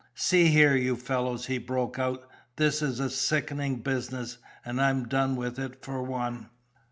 "See here, you fellows," he broke out, "this is a sickening business, and I'm done with it for one."